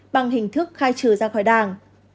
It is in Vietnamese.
bằng hình thức khai trừ ra khỏi đảng